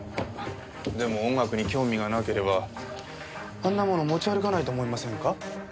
でも音楽に興味がなければあんなもの持ち歩かないと思いませんか？